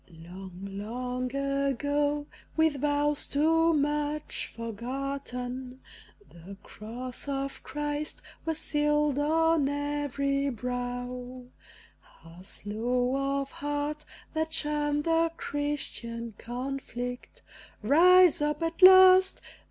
Long, long ago, with vows too much forgotten, The Cross of Christ was seal'd on every brow, Ah! slow of heart, that shun the Christian conflict; Rise up at last!